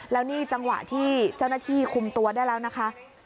แล้วนี่จังหวะที่เจ้าหน้าที่คุมตัวได้แล้วนะคะ